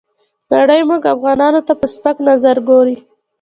نړۍ موږ افغانانو ته په سپک نظر ګوري.